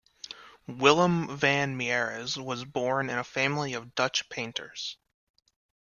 Willem van Mieris was born in a family of Dutch painters.